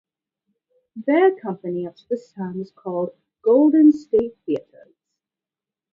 Their company up to this time was called Golden State Theatres.